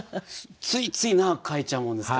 ついつい長く書いちゃうものですから。